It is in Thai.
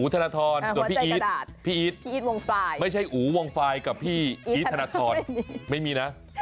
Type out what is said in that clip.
ธนทรส่วนพี่อีทพี่อีทวงไฟไม่ใช่อูวงไฟล์กับพี่อีทธนทรไม่มีนะ